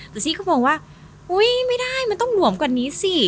แต่ซี่ก็มองว่าอุ๊ยไม่ได้มันต้องหลวมกว่านี้สิ